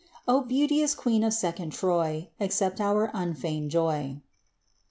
Oh, beauteous queen of second Troy, Accept of our unfeigned joy!"